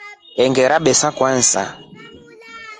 Ongerabesa Kwanza.